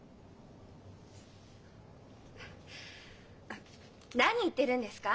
あっ何言ってるんですか？